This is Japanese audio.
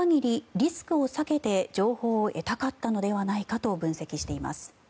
リスクを避けて情報を得たかったのではないかと分析しています。